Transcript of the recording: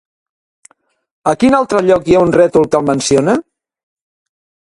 A quin altre lloc hi ha un rètol que el menciona?